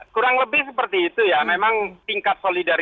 kurang lebih seperti itu pak isla